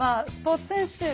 スポーツ選手